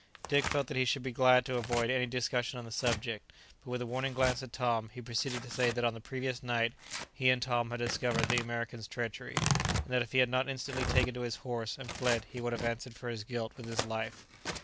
Dirk felt that he should be glad to avoid any discussion on the subject, but with a warning glance at Tom, he proceeded to say that on the previous night he and Tom had discovered the American's treachery, and that if he had not instantly taken to his horse and fled he would have answered for his guilt with his life.